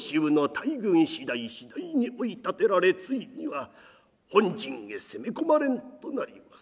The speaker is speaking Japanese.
次第次第に追い立てられついには本陣へ攻め込まれんとなります。